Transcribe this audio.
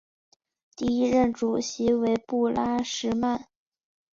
第一任主席为布拉什曼。